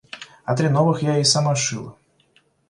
А три новых я ей сама сшила.